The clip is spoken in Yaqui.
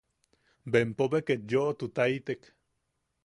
Bempo be ket yoʼotutaitek.